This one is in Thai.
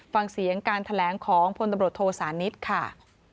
ฟังเสียงการแถลงของพศนิษย์ค่ะ